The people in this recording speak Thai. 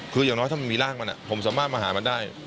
คืออย่างน้อยถ้ามันมีร่างมันผมสามารถมาหามันได้